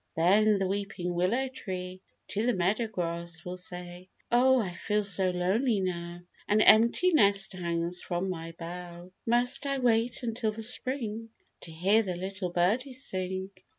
Then the weeping willow tree To the meadow grass will say; "'Oh, I feel so lonely now, An empty nest hangs from my bough. Must I wait until the Spring To hear the little birdies sing?